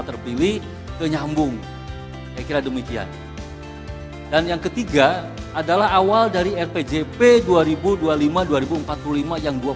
terpilih kenyambung kira demikian dan yang ketiga adalah awal dari rpjp dua ribu dua puluh lima dua ribu empat puluh lima yang